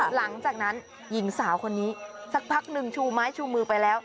หลังจากนั้นหญิงสาวคนนี้สักพักหนึ่งชูไม้ชูมือไปแล้ว